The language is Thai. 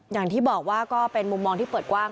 อย่างที่บอกว่าก็เป็นมุมมองที่เปิดกว้าง